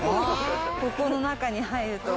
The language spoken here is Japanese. ここの中に入ると。